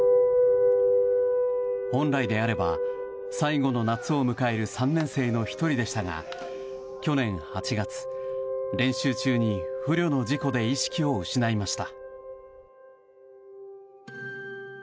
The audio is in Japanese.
本来であれば最後の夏を迎える３年生の１人でしたが去年８月、練習中に不慮の事故で意識を失いました。